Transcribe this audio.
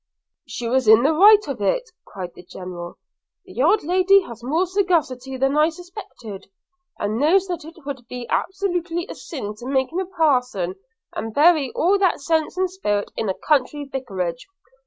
'She was in the right of it,' cried the General. 'The old lady has more sagacity than I suspected, and knows that it would be absolutely a sin to make him a parson, and bury all that sense and spirit in a country vicarage.